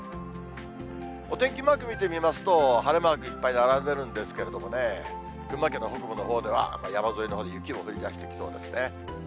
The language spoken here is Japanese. お天気マーク見てみますと、晴れマークいっぱい並んでるんですけれども、群馬県の北部のほうでは山沿いのほうに雪も降りだしてきそうですね。